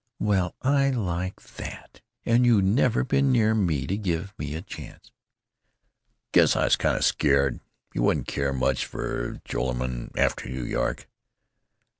"Well, I like that! And you never been near me to give me a chance!" "I guess I was kind of scared you wouldn't care much for Joralemon, after New York."